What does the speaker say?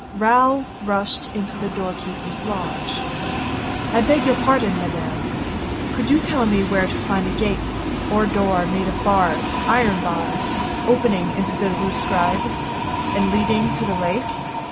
Raoul rushed into the doorkeeper's lodge. "I beg your pardon, madame, could you tell me where to find a gate or door, made of bars, iron bars, opening into the Rue Scribe ... and leading to the lake?